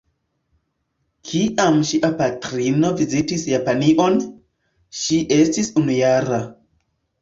Kiam ŝia patrino vizitis Japanion, ŝi estis unujara.